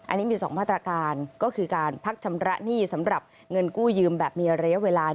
อันนี้มี๒มาตรการก็คือการพักชำระหนี้สำหรับเงินกู้ยืมแบบมีระยะเวลา